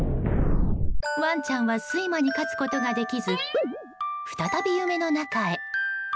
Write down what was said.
ワンちゃんは睡魔に勝つことができず再び夢の中へ。